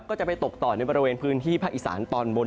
ก็จะไปตกต่อในบริเวณพื้นที่ภาคอีสานตอนบน